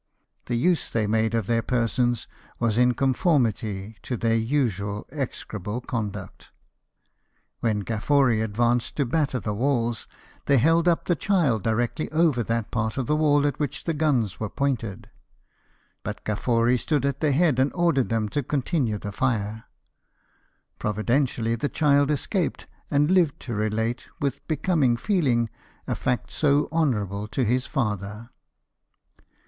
The use they made of their persons was in conformity to their usual exe crable conduct. When GafFori advanced to batter the walls, they held up the child directly over that part of the wall at which the guns were pointed. The Corsicans stopped ; but GafFori stood at their head and ordered them to continue the fire. Providentially the child escaped, and lived to relate, with becoming feel ing, a fact so honourable to his father.